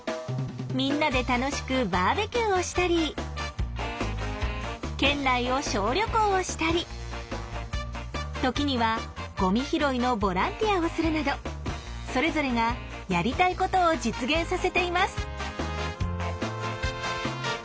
みんなで楽しくバーベキューをしたり県内を小旅行をしたり時にはゴミ拾いのボランティアをするなどそれぞれがやりたいことを実現させています。